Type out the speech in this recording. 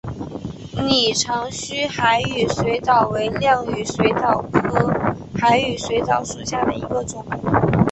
拟长须海羽水蚤为亮羽水蚤科海羽水蚤属下的一个种。